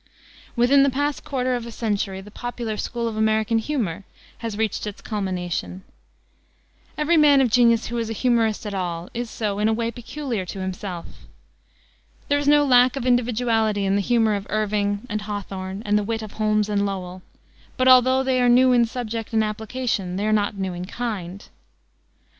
Within the past quarter of a century the popular school of American humor has reached its culmination. Every man of genius who is a humorist at all is so in a way peculiar to himself. There is no lack of individuality in the humor of Irving and Hawthorne and the wit of Holmes and Lowell, but although they are new in subject and application they are not new in kind.